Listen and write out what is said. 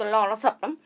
lò nó sập lắm